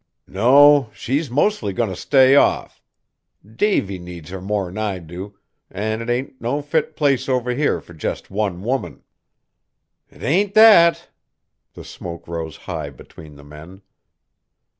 "No, she's mostly goin' t' stay off. Davy needs her more'n I do, an' 't ain't no fit place over here for jest one woman." "'T ain't that!" The smoke rose high between the men.